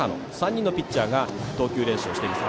３人のピッチャーが投球練習をしています。